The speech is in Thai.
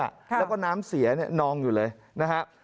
แล้วก็น้ำเสียนอนอยู่เลยนะฮะ